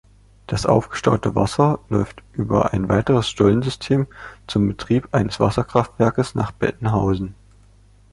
Das aufgestaute Wasser läuft über ein weiteres Stollensystem zum Betrieb eines Wasserkraftwerkes nach Bettenhausen.